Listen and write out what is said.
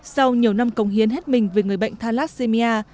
sau nhiều năm công hiến hết mình về người bệnh thalassemia